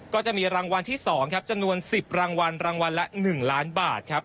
ก็จะมีรางวัลที่๒ครับจำนวน๑๐รางวัลรางวัลละ๑ล้านบาทครับ